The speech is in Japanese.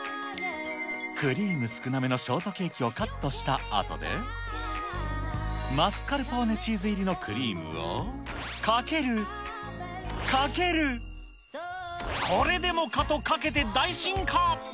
クリーム少なめのショートケーキをカットしたあとで、マスカルポーネチーズ入りのクリームをかける、かける、これでもかとかけて大進化。